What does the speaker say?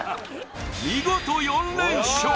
見事４連勝！